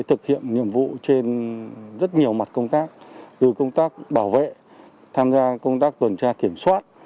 thực hiện nhiệm vụ trên rất nhiều mặt công tác từ công tác bảo vệ tham gia công tác tuần tra kiểm soát